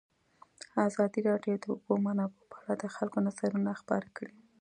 ازادي راډیو د د اوبو منابع په اړه د خلکو نظرونه خپاره کړي.